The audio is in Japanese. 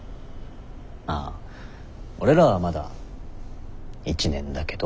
まあ俺らはまだ１年だけど。